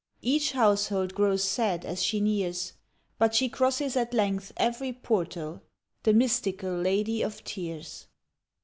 Each household grows sad as she nears, But she crosses at length every portal, The mystical Lady of Tears.